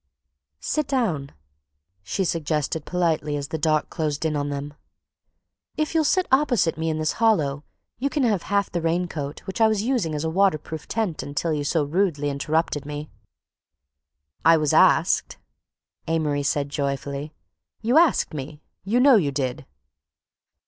"Sit down," she suggested politely, as the dark closed in on them. "If you'll sit opposite me in this hollow you can have half of the raincoat, which I was using as a water proof tent until you so rudely interrupted me." "I was asked," Amory said joyfully; "you asked me—you know you did."